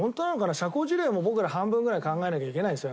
社交辞令も僕ら半分ぐらい考えないといけないでしょ